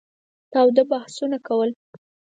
تاوده بحثونه کول.